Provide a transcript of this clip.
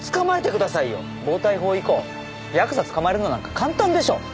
暴対法以降ヤクザ捕まえるのなんか簡単でしょ。